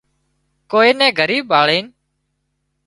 ڪوئي نين ڳريٻ ڀاۯينَ